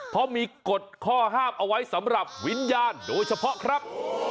เพราะมีกฎข้อฮาบเอาไว้สำหรับ